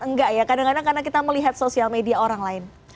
enggak ya kadang kadang karena kita melihat sosial media orang lain